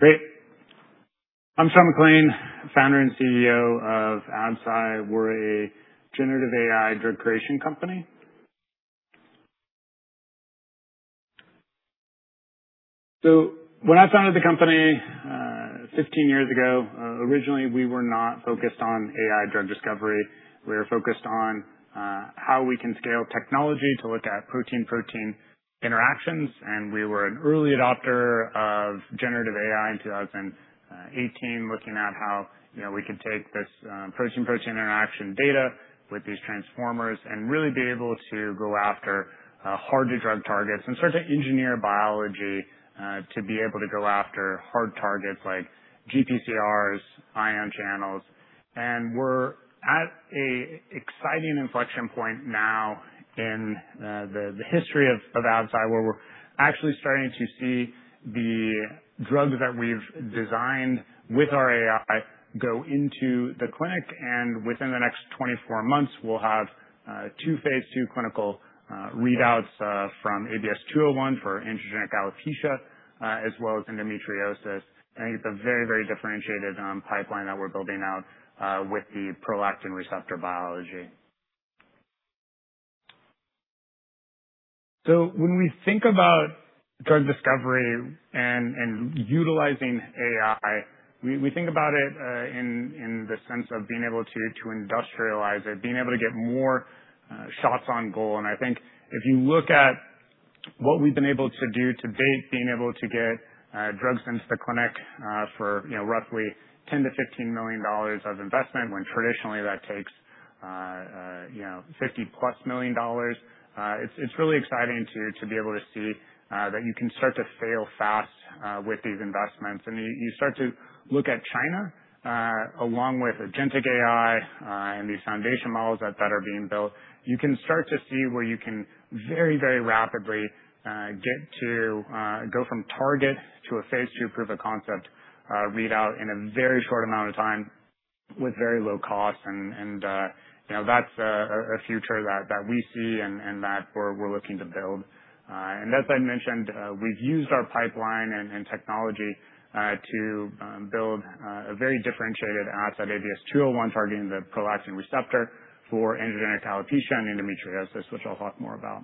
Great. I'm Sean McClain, Founder and CEO of Absci. We're a generative AI drug creation company. When I founded the company 15 years ago, originally, we were not focused on AI drug discovery. We were focused on how we can scale technology to look at protein-protein interactions. We were an early adopter of generative AI in 2018, looking at how we could take this protein-protein interaction data with these transformers and really be able to go after hard to drug targets and start to engineer biology to be able to go after hard targets like GPCRs, ion channels. We're at an exciting inflection point now in the history of Absci, where we're actually starting to see the drugs that we've designed with our AI go into the clinic. Within the next 24 months, we'll have two phase II clinical readouts from ABS-201 for androgenic alopecia as well as endometriosis. I think it's a very differentiated pipeline that we're building out with the prolactin receptor biology. When we think about drug discovery and utilizing AI, we think about it in the sense of being able to industrialize it, being able to get more shots on goal. I think if you look at what we've been able to do to date, being able to get drugs into the clinic for roughly $10 million-$15 million of investment, when traditionally that takes $50+ million. It's really exciting to be able to see that you can start to fail fast with these investments. You start to look at China along with agentic AI and these foundation models that are being built. You can start to see where you can very rapidly get to go from target to a phase II proof of concept readout in a very short amount of time with very low cost. That's a future that we see and that we're looking to build. As I mentioned, we've used our pipeline and technology to build a very differentiated asset, ABS-201, targeting the prolactin receptor for androgenic alopecia and endometriosis, which I'll talk more about.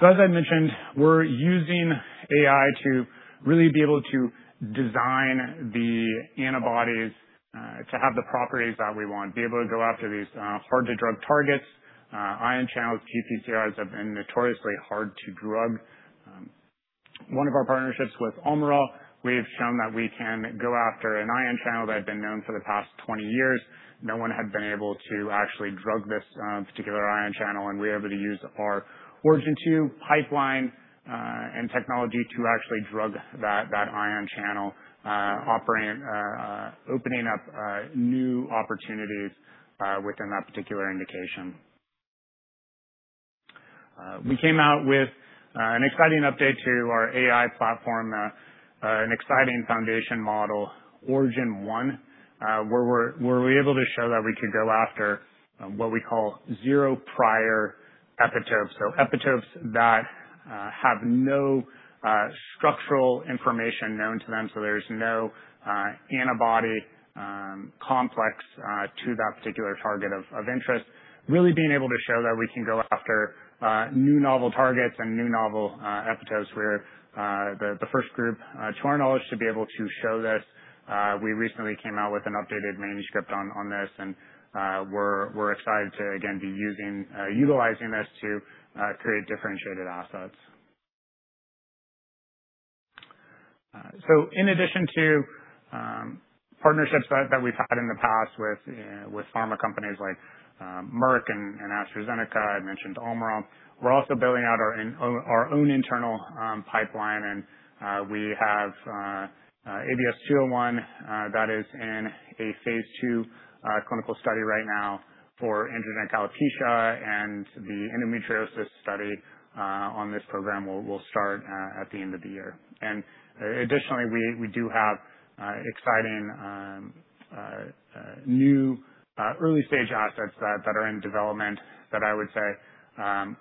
As I mentioned, we're using AI to really be able to design the antibodies to have the properties that we want, be able to go after these hard to drug targets. Ion channels, GPCRs have been notoriously hard to drug. One of our partnerships with Omron, we've shown that we can go after an ion channel that had been known for the past 20 years. No one had been able to actually drug this particular ion channel, and we're able to use our Origin two pipeline and technology to actually drug that ion channel, opening up new opportunities within that particular indication. We came out with an exciting update to our AI platform, an exciting foundation model, Origin-1, where we're able to show that we could go after what we call zero-shot epitopes. Epitopes that have no structural information known to them, so there's no antibody complex to that particular target of interest. Really being able to show that we can go after new novel targets and new novel epitopes. We're the first group, to our knowledge, to be able to show this. We recently came out with an updated manuscript on this, and we're excited to again, be utilizing this to create differentiated assets. In addition to partnerships that we've had in the past with pharma companies like Merck and AstraZeneca, I mentioned Omron. We're also building out our own internal pipeline, and we have ABS-201 that is in a phase II clinical study right now for androgenic alopecia and the endometriosis study on this program will start at the end of the year. Additionally, we do have exciting new early-stage assets that are in development that I would say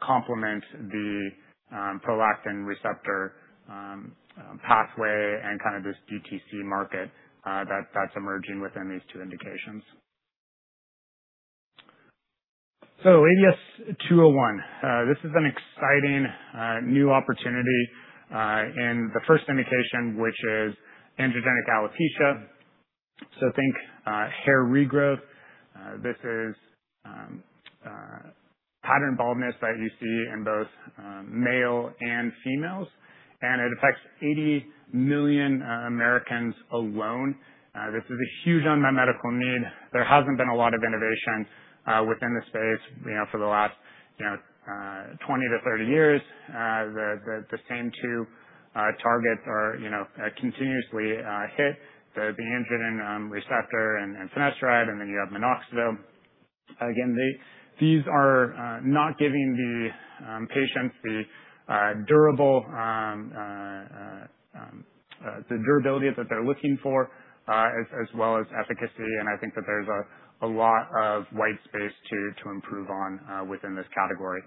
complement the prolactin receptor pathway and kind of this DTC market that's emerging within these two indications. ABS-201, this is an exciting new opportunity in the first indication, which is androgenic alopecia. Think hair regrowth. This is pattern baldness that you see in both male and females, and it affects 80 million Americans alone. This is a huge unmet medical need. There hasn't been a lot of innovation within the space for the last 20-30 years. The same two targets are continuously hit, the androgen receptor and finasteride, and then you have minoxidil. Again, these are not giving the patients the durability that they're looking for, as well as efficacy, and I think that there's a lot of white space to improve on within this category.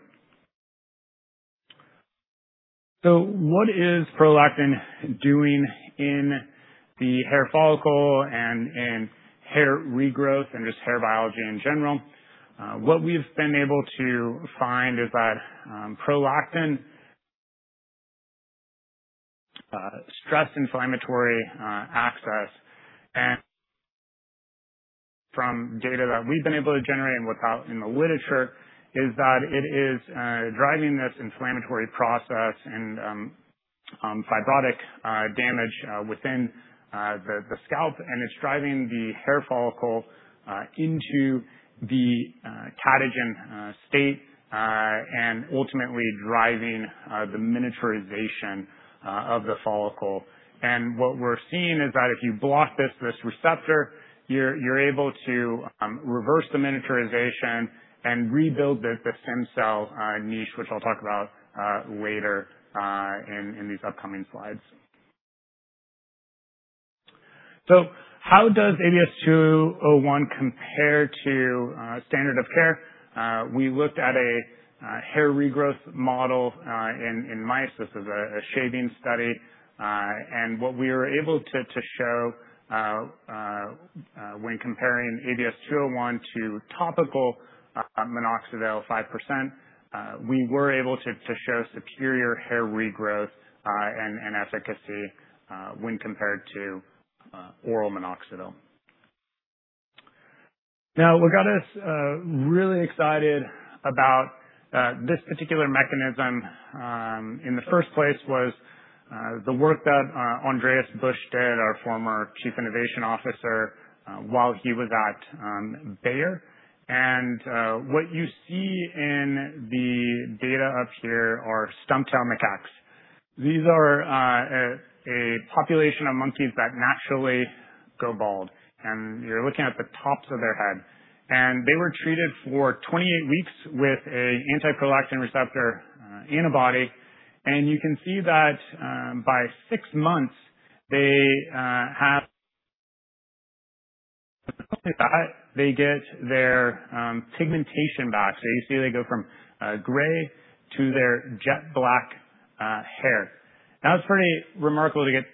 What is prolactin doing in the hair follicle and in hair regrowth and just hair biology in general? What we've been able to find is that prolactin, stress, inflammatory, access, and from data that we've been able to generate and what's out in the literature, is that it is driving this inflammatory process and fibrotic damage within the scalp, and it's driving the hair follicle into the catagen state, and ultimately driving the miniaturization of the follicle. What we're seeing is that if you block this receptor, you're able to reverse the miniaturization and rebuild the stem cell niche, which I'll talk about later in these upcoming slides. How does ABS-201 compare to standard of care? We looked at a hair regrowth model in mice. This is a shaving study. What we were able to show when comparing ABS-201 to topical minoxidil 5%, we were able to show superior hair regrowth and efficacy when compared to oral minoxidil. What got us really excited about this particular mechanism in the first place was the work that Andreas Busch did, our former Chief Innovation Officer, while he was at Bayer. What you see in the data up here are stump-tailed macaques. These are a population of monkeys that naturally go bald, and you're looking at the tops of their head. They were treated for 28 weeks with a anti-prolactin receptor antibody. You can see that by 6 months they get their pigmentation back. You see they go from gray to their jet black hair. That was pretty remarkable to get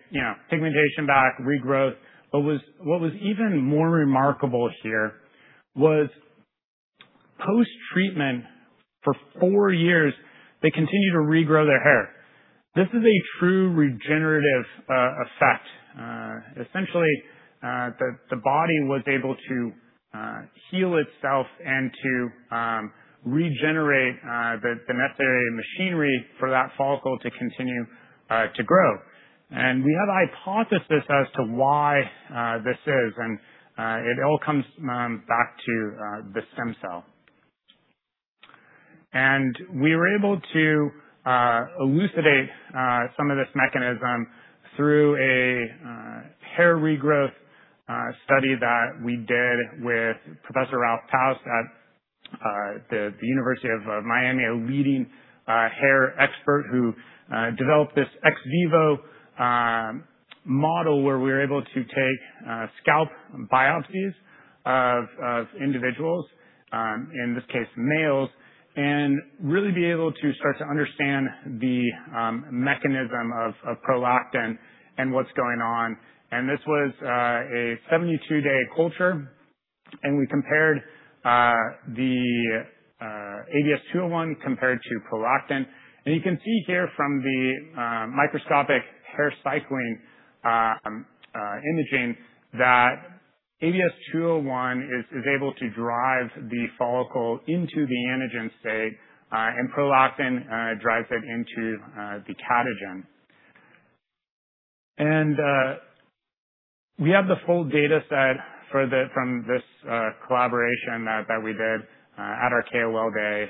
pigmentation back, regrowth. What was even more remarkable here was post-treatment for four years, they continued to regrow their hair. This is a true regenerative effect. Essentially, the body was able to heal itself and to regenerate the necessary machinery for that follicle to continue to grow. We have a hypothesis as to why this is, and it all comes back to the stem cell. We were able to elucidate some of this mechanism through a hair regrowth study that we did with Professor Ralf Paus at the University of Miami, a leading hair expert who developed this ex vivo model where we were able to take scalp biopsies of individuals, in this case, males, and really be able to start to understand the mechanism of prolactin and what's going on. This was a 72-day culture, and we compared the ABS-201 compared to prolactin. You can see here from the microscopic hair cycling imaging that ABS-201 is able to drive the follicle into the anagen state, and prolactin drives it into the catagen. We have the full data set from this collaboration that we did at our KOL Day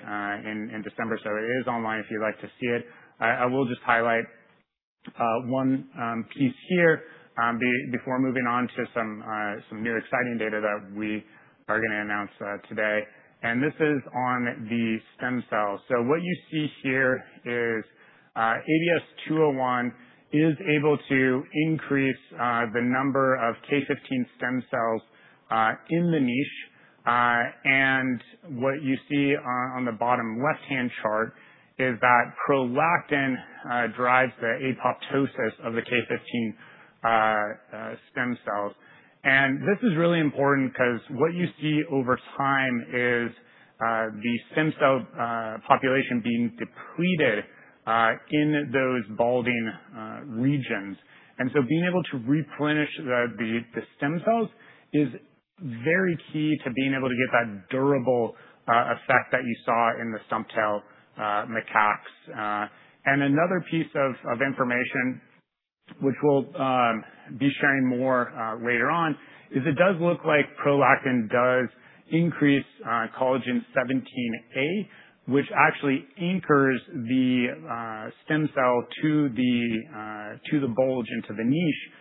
in December. It is online if you'd like to see it. I will just highlight one piece here before moving on to some new exciting data that we are going to announce today. This is on the stem cells. So what you see here is ABS-201 is able to increase the number of K15 stem cells in the niche. What you see on the bottom left-hand chart is that prolactin drives the apoptosis of the K15 stem cells. This is really important because what you see over time is the stem cell population being depleted in those balding regions. Being able to replenish the stem cells is very key to being able to get that durable effect that you saw in the stump-tailed macaques. Another piece of information, which we'll be sharing more later on, is it does look like prolactin does increase Collagen 17A1, which actually anchors the stem cell to the bulge into the niche.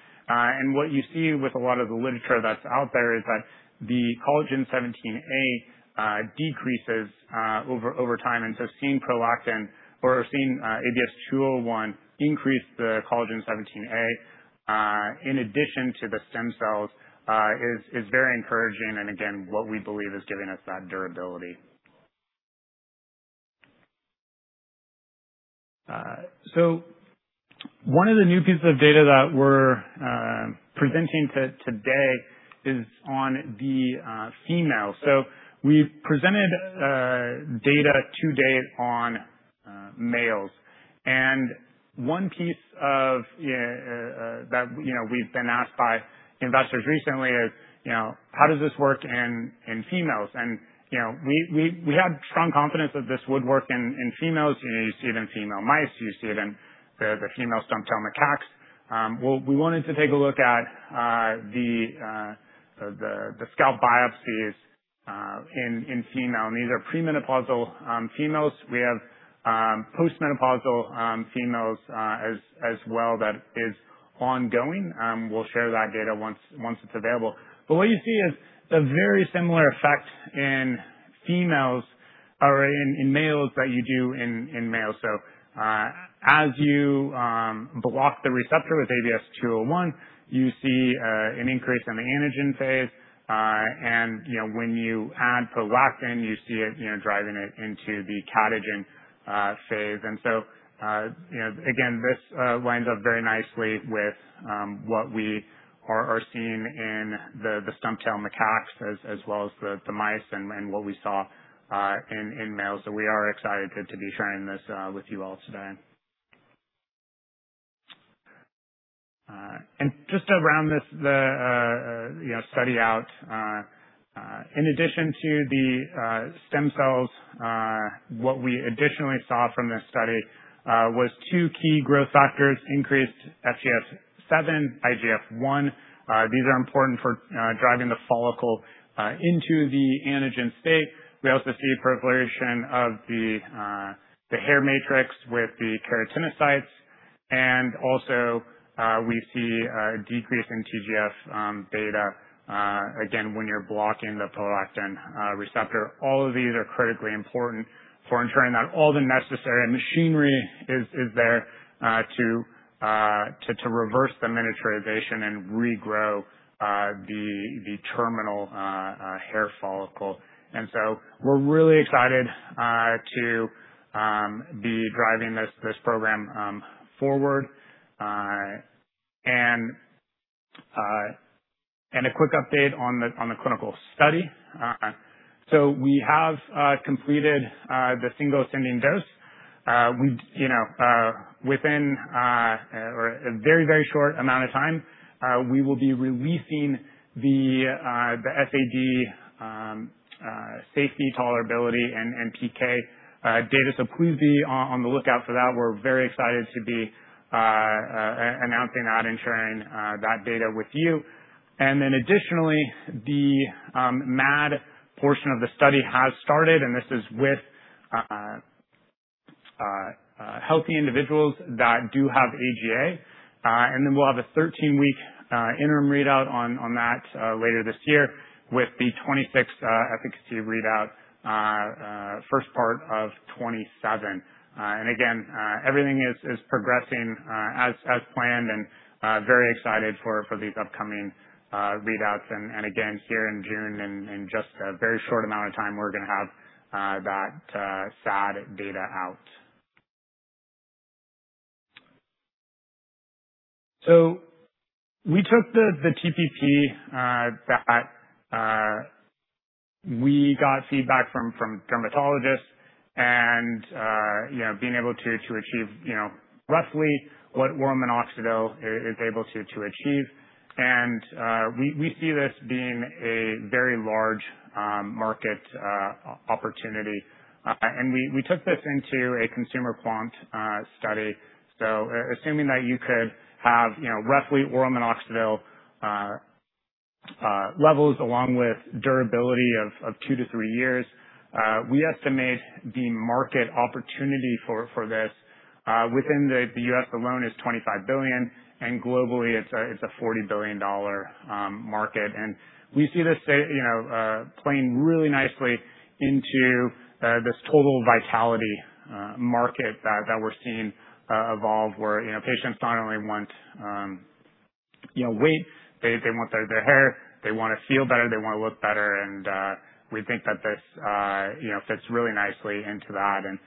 What you see with a lot of the literature that's out there is that the Collagen 17A1 decreases over time. Seeing prolactin or seeing ABS-201 increase the Collagen 17A1, in addition to the stem cells, is very encouraging and again, what we believe is giving us that durability. One of the new pieces of data that we're presenting today is on the female. We've presented data to date on males. One piece that we've been asked by investors recently is, how does this work in females? We had strong confidence that this would work in females. You see it in female mice, you see it in the female stump-tailed macaques. We wanted to take a look at the scalp biopsies in female, and these are premenopausal females. We have post-menopausal females as well that is ongoing. We'll share that data once it's available. What you see is a very similar effect in males that you do in males. As you block the receptor with ABS-201, you see an increase in the anagen phase. When you add prolactin, you see it driving it into the catagen phase. Again, this lines up very nicely with what we are seeing in the stump-tailed macaques, as well as the mice and what we saw in males. We are excited to be sharing this with you all today. Just around this study out, in addition to the stem cells, what we additionally saw from this study was two key growth factors increased, FGF 7, IGF 1. These are important for driving the follicle into the anagen state. We also see proliferation of the hair matrix with the keratinocytes. We also see a decrease in TGF-beta, again, when you're blocking the prolactin receptor. All of these are critically important for ensuring that all the necessary machinery is there to reverse the miniaturization and regrow the terminal hair follicle. We're really excited to be driving this program forward. A quick update on the clinical study. We have completed the single ascending dose. Within a very short amount of time, we will be releasing the SAD, safety tolerability and PK data. Please be on the lookout for that. We're very excited to be announcing that and sharing that data with you. Additionally, the MAD portion of the study has started, and this is with healthy individuals that do have AGA. We'll have a 13-week interim readout on that later this year with the 26 efficacy readout, first part of 27. Everything is progressing as planned and very excited for these upcoming readouts. Here in June in just a very short amount of time, we're going to have that SAD data out. We took the TPP that we got feedback from dermatologists and being able to achieve roughly what oral minoxidil is able to achieve. We see this being a very large market opportunity. We took this into a consumer quant study. Assuming that you could have roughly oral minoxidil levels along with durability of 2 to 3 years, we estimate the market opportunity for this within the U.S. alone is $25 billion, and globally, it's a $40 billion market. We see this playing really nicely into this total vitality market that we're seeing evolve, where patients not only want weight, they want their hair, they want to feel better, they want to look better, and we think that this fits really nicely into that and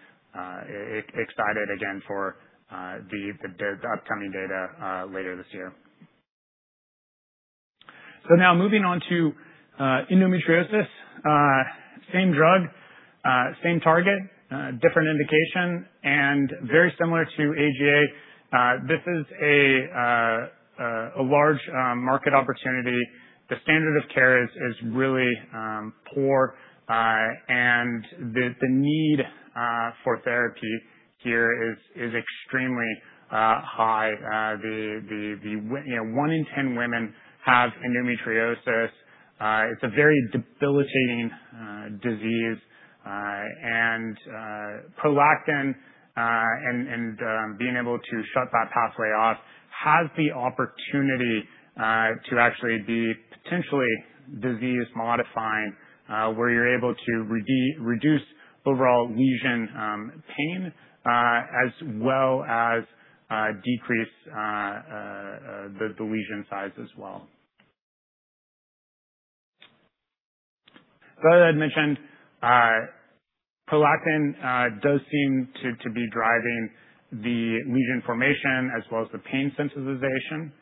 excited again for the upcoming data later this year. Now moving on to endometriosis. Same drug, same target, different indication, very similar to AGA. This is a large market opportunity. The standard of care is really poor. The need for therapy here is extremely high. One in 10 women have endometriosis. It's a very debilitating disease, and prolactin, and being able to shut that pathway off has the opportunity to actually be potentially disease-modifying, where you're able to reduce overall lesion pain, as well as decrease the lesion size as well. As I mentioned, prolactin does seem to be driving the lesion formation as well as the pain sensitization.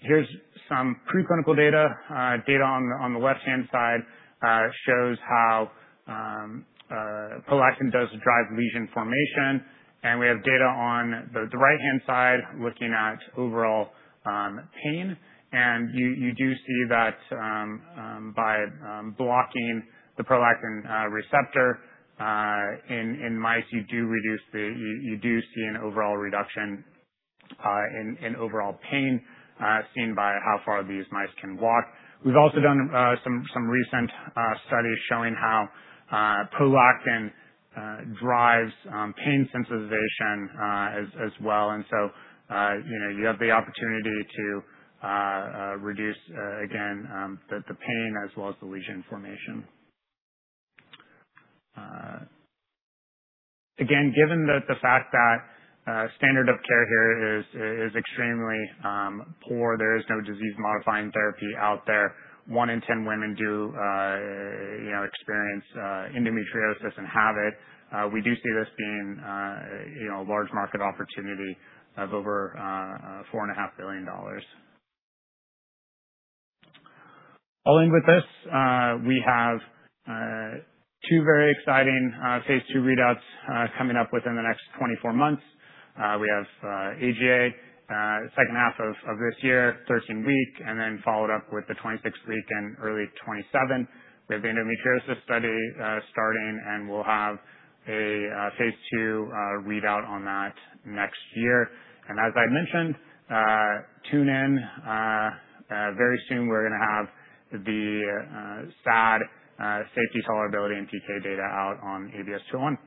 Here's some preclinical data. Data on the left-hand side shows how prolactin does drive lesion formation, and we have data on the right-hand side looking at overall pain. You do see that by blocking the prolactin receptor in mice, you do see an overall reduction in overall pain, seen by how far these mice can walk. We've also done some recent studies showing how prolactin drives pain sensitization as well. You have the opportunity to reduce, again, the pain as well as the lesion formation. Given that the fact that standard of care here is extremely poor, there is no disease-modifying therapy out there. One in 10 women do experience endometriosis and have it. We do see this being a large market opportunity of over $4.5 billion. I'll end with this. We have two very exciting phase II readouts coming up within the next 24 months. We have AGA, second half of this year, 13-week, and then followed up with the 26-week and early 2027. We have the endometriosis study starting, and we'll have a phase II readout on that next year. As I mentioned, tune in. Very soon, we're going to have the SAD safety tolerability and PK data out on ABS-201.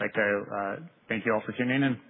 Like to thank you all for tuning in.